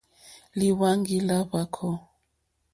Lìhwáŋɡí lá hwàkó.